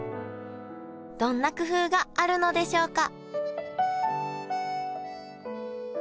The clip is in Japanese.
どんな工夫があるのでしょうか？